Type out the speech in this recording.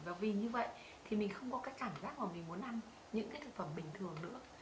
và vì như vậy thì mình không có cái cảm giác mà mình muốn ăn những cái thực phẩm bình thường nữa